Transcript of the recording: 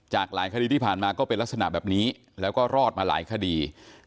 หลายคดีที่ผ่านมาก็เป็นลักษณะแบบนี้แล้วก็รอดมาหลายคดี